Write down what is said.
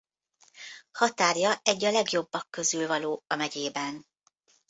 Határja egy a legjobbak közül való a megyében.